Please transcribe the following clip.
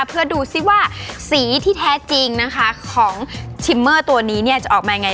เพื่อดูสิว่าสีที่แท้จริงนะคะของชิมเมอร์ตัวนี้เนี่ยจะออกมาไง